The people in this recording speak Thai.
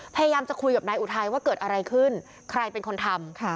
พยายามจะคุยกับนายอุทัยว่าเกิดอะไรขึ้นใครเป็นคนทำ